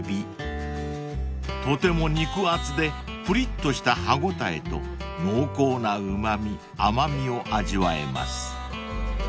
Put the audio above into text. ［とても肉厚でぷりっとした歯応えと濃厚なうま味甘味を味わえます］